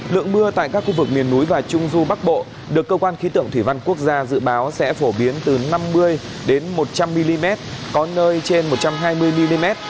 lượng mưa tại các khu vực miền núi và trung du bắc bộ được cơ quan khí tượng thủy văn quốc gia dự báo sẽ phổ biến từ năm mươi một trăm linh mm có nơi trên một trăm hai mươi mm